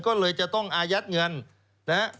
ก็เลยจะต้องอายัดเงินนะฮะ